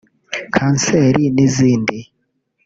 kanseri n’izindi